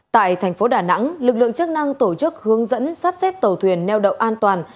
tại thành phố đà nẵng lực lượng chức năng tổ chức hướng dẫn sắp xếp tàu thuyền neo đậu an toàn